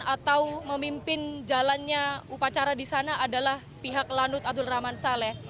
atau memimpin jalannya upacara di sana adalah pihak lanut abdul rahman saleh